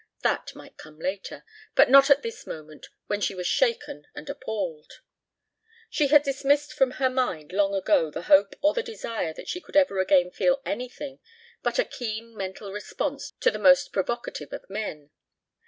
That might come later, but not at this moment when she was shaken and appalled. She had dismissed from her mind long ago the hope or the desire that she could ever again feel anything but a keen mental response to the most provocative of men.